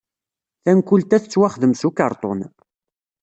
Tankult-a tettwaxdem s ukerṭun.